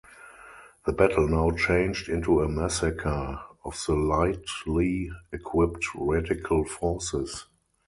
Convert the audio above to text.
The battle now changed into a massacre of the lightly equipped radical forces.